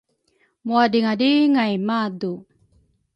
mwadringadringay madu